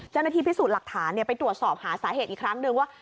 เจ้าหน้าที่พิสูจน์หลักฐานไปตรวจสอบหาสาเหตุอีกครั้งหนึ่งว่า